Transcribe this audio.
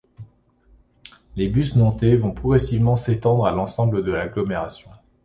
Les bus nantais vont progressivement s'étendre à l'ensemble de l'agglomération.